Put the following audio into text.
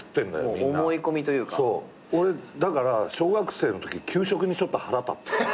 俺だから小学生のとき給食にちょっと腹立った。